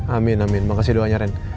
amin amin makasih doanya ren